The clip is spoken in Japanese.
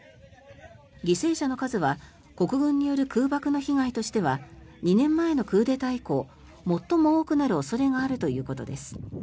犠牲者の数は国軍による空爆の被害としては２年前のクーデター以降最も多くなる恐れがあるということです。